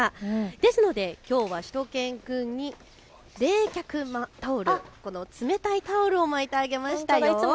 ですのできょうはしゅと犬くんに冷却タオル、冷たいタオルを巻いてあげましたよ。